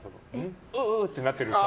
ううってなってる顔。